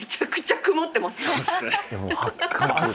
そうっすね。